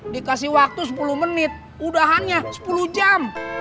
dikasih waktu sepuluh menit udah hanya sepuluh jam